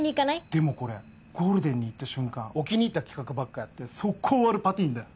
でもこれゴールデンにいった瞬間置きにいった企画ばっかやって即行終わるパティーンだよ。